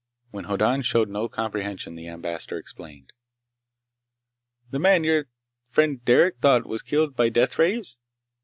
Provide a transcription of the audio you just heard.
When Hoddan showed no comprehension, the Ambassador explained, "The man your friend Derec thought was killed by deathrays.